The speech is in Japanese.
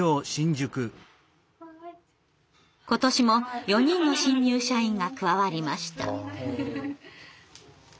今年も４人の新入社員が加わりました。